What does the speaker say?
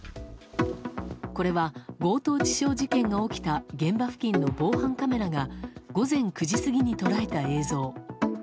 これは強盗致傷事件が起きた現場付近の防犯カメラが午前９時過ぎに捉えた映像。